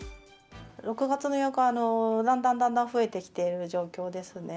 ６月の予約は、だんだんだんだん増えてきている状況ですね。